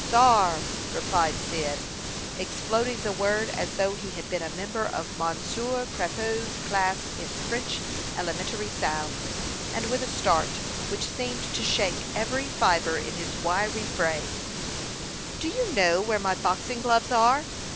"Sar!" replied Cyd, exploding the word as though he had been a member of Monsieur Crapeau's class in French elementary sounds, and with a start which seemed to shake every fibre in his wiry frame. "Do you know where my boxing gloves are?"